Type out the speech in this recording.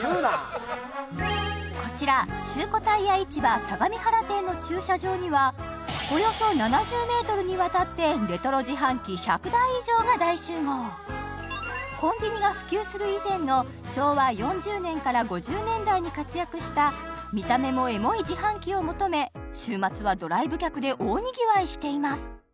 こちら中古タイヤ市場相模原店の駐車場にはおよそ７０メートルにわたってレトロ自販機１００台以上が大集合コンビニが普及する以前の昭和４０年から５０年代に活躍した見た目もエモい自販機を求め週末はドライブ客で大にぎわいしています